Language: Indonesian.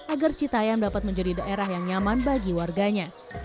agar citayam dapat menjadi daerah yang nyaman bagi warganya